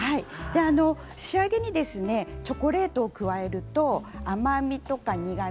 仕上げにチョコレートを加えると甘みとか苦み